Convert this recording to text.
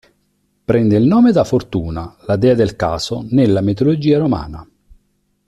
Prende il nome da Fortuna, la dea del caso nella mitologia romana.